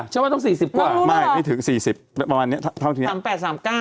ฉันว่าต้องสี่สิบกว่าไม่ไม่ถึงสี่สิบประมาณเนี้ยเท่าทีนี้สามแปดสามเก้า